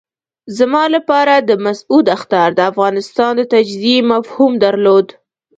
زما لپاره د مسعود اخطار د افغانستان د تجزیې مفهوم درلود.